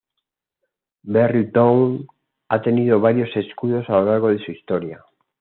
Barry Town ha tenido varios escudos a lo largo de su historia.